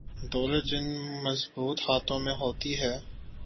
دولت جن مضبوط ہاتھوں میں ہوتی ہے۔